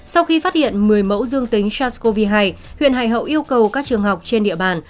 sau khi phát hiện một mươi mẫu dương tính sars cov hai huyện hải hậu yêu cầu các trường học trên địa bàn